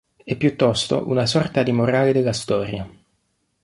È piuttosto una sorta di morale della storia.